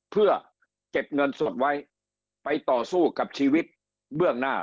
เพื่อเก็บเงินสดไว้ไปต่อสู้กับชีวิตเบื้องหน้า